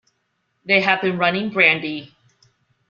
They had been running brandy.